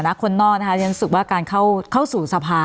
แหละคนนอกนะคะยังรู้สึกว่าการเข้าเข้าสู่สภา